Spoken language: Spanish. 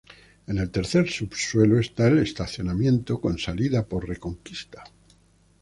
En el tercer subsuelo está el estacionamiento, con salida por Reconquista.